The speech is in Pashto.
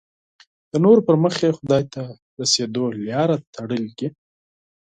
د نورو پر مخ یې خدای ته د رسېدو لاره تړلې.